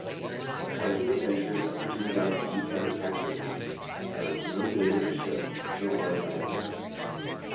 but whether the venture ever turns out unsatisfactorily there are no data to show, so far as I am aware.